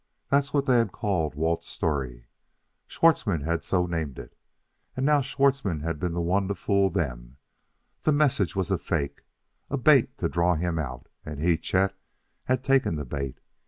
that was what they had called Walt's story; Schwartzmann had so named it, and now Schwartzmann had been the one to fool them; the message was a fake a bait to draw him out; and he, Chet, had taken the bait.